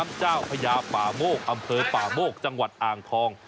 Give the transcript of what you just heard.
เจ้าพญาป่าโมกอำเภอป่าโมกจังหวัดอ่างทอง